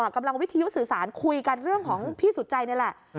กำลังวิทยุสื่อสารคุยกันเรื่องของพี่สุจัยนี่แหละ